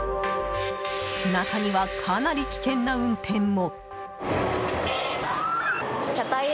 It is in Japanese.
中には、かなり危険な運転も。